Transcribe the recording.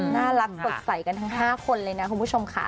น่ารักสดใสกันทั้ง๕คนเลยนะคุณผู้ชมค่ะ